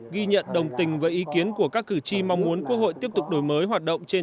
ghi nhận đồng tình với ý kiến của các cử tri mong muốn quốc hội tiếp tục đổi mới hoạt động trên